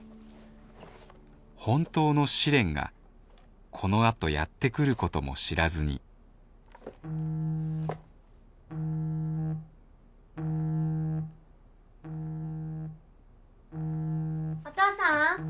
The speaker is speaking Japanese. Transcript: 本当の試練がこのあとやって来ることも知らずにお父さん？